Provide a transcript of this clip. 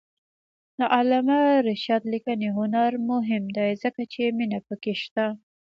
د علامه رشاد لیکنی هنر مهم دی ځکه چې مینه پکې شته.